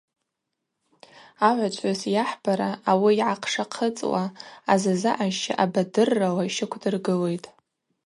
Агӏвычӏвгӏвыс йахӏбара, ауи йгӏахъшахъыцӏуа азазаъаща абадыррала йщаквдыргылитӏ.